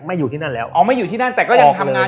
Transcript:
อยู่ที่นั่นแล้วอ๋อไม่อยู่ที่นั่นแต่ก็ยังทำงาน